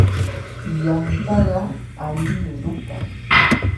Yantaqa allimi rupan.